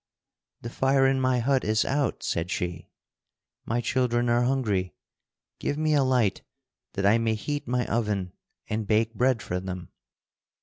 "The fire in my hut is out," said she. "My children are hungry. Give me a light that I may heat my oven and bake bread for them!"